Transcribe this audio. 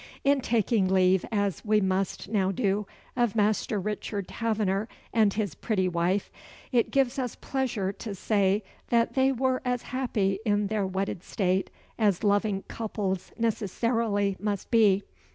In taking leave, as we must now do, of Master Richard Taverner and his pretty wife, it gives us pleasure to say that they were as happy in their wedded state as loving couples necessarily must be.